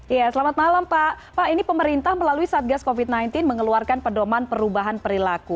ya selamat malam pak ini pemerintah melalui satgas covid sembilan belas mengeluarkan pedoman perubahan perilaku